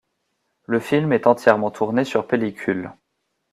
Le film est entièrement tourné sur pellicule.